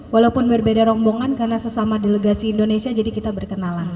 walaupun berbeda rombongan karena sesama delegasi indonesia jadi kita berkenalan